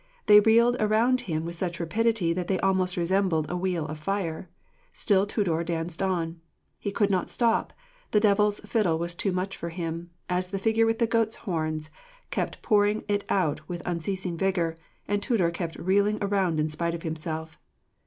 They reeled around him with such rapidity that they almost resembled a wheel of fire. Still Tudur danced on. He could not stop, the devil's fiddle was too much for him, as the figure with the goat's horns kept pouring it out with unceasing vigour, and Tudur kept reeling around in spite of himself.